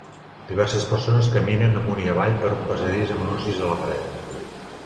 Diverses persones caminen amunt i avall per un passadís amb anuncis a la paret.